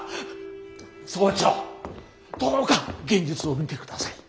総長どうか現実を見てください！